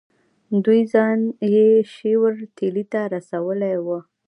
دوی ځان یې شیورتیلي ته رسولی وو.